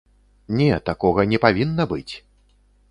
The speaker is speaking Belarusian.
Не, такога не павінна быць!